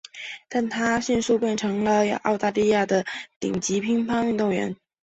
但她迅速变成为了澳大利亚的顶级乒乓球运动员。